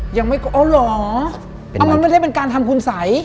อ๋อหรอมันไม่ได้เป็นการทำคุณสัย